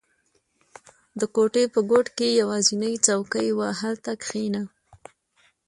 • د کوټې په ګوټ کې یوازینی څوکۍ وه، هلته کښېنه.